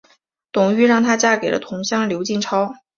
董瑀让她嫁给了同乡刘进超。